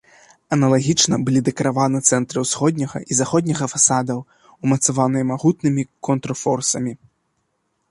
Аналагічна былі дэкараваны цэнтры ўсходняга і заходняга фасадаў, умацаваныя магутнымі контрфорсамі.